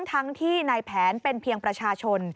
ทั้งที่ในแผนเป็นเพียงประชาชน